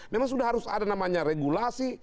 memang sudah harus ada namanya regulasi